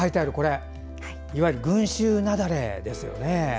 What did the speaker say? いわゆる群衆雪崩ですね。